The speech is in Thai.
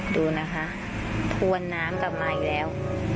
ดูนะคะทวนน้ำกลับมาอีกแล้ว